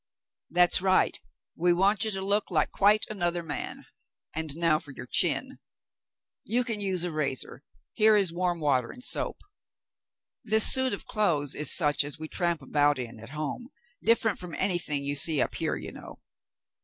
"That's right; we want you to look like quite another man. And now for your chin. You can use a razor; here is warm water and soap. This suit of clothes is such as we tramp about in at home, different from anything you see up here, you know.